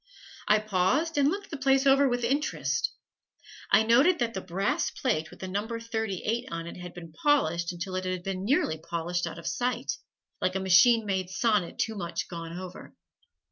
I paused and looked the place over with interest. I noted that the brass plate with the "No. 38" on it had been polished until it had been nearly polished out of sight, like a machine made sonnet too much gone over.